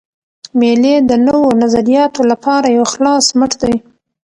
مېلې د نوو نظریاتو له پاره یو خلاص مټ دئ.